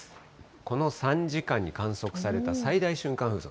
この３時間に観測された最大瞬間風速。